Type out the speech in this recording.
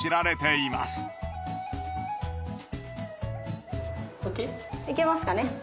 いけますかね。